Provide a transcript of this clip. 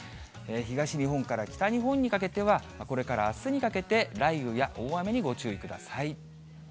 東日本から北日本にかけては、これからあすにかけて、雷雨や大雨にご注意ください。